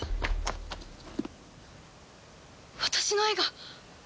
私の絵が！